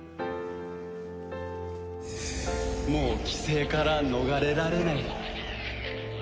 もう寄生から逃れられない。